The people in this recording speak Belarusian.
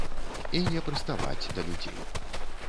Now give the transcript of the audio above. І не прыставаць да людзей.